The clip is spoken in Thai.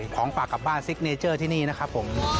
ของปากกลับบ้านตรงนี้นะครับ